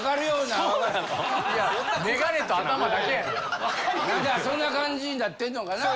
なんかそんな感じになってんのかな？